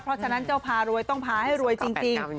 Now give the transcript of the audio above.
เพราะฉะนั้นเจ้าพารวยต้องพาให้รวยจริง